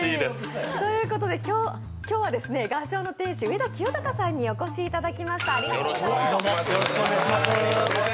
今日は雅頌の店主、上田澄高さんにお越しいただきました。